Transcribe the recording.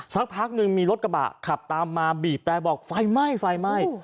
สักพักหนึ่งมีรถกระบะขับตามมาบีบแต่บอกไฟไหม้ไฟไหม้